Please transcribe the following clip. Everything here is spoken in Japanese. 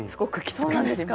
そうなんですか？